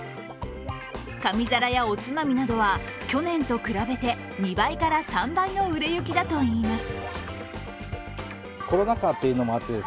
紙皿やおつまみなどは去年と比べて２倍から３倍の売れ行きだといいます。